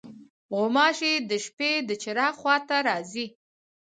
غوماشې د شپې د چراغ خوا ته راځي.